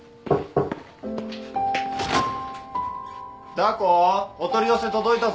・ダー子お取り寄せ届いたぞ。